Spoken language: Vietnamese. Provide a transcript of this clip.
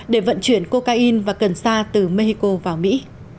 để vận chuyển cocaine và cần sa từ mexico vào mỹ